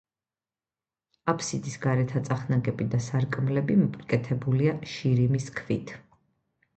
აფსიდის გარეთა წახნაგები და სარკმლები მოპირკეთებულია შირიმის ქვით.